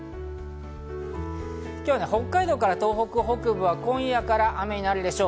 今日、北海道から東北北部は今夜から雨になるでしょう。